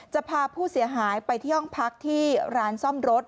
จะพาผู้เสียหายไปที่ห้องพักที่ร้านซ่อมรถ